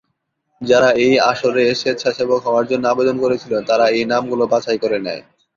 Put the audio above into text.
যারা এই আসরে স্বেচ্ছাসেবক হওয়ার জন্য আবেদন করেছিল তারা এই নামগুলো বাছাই করে নেয়।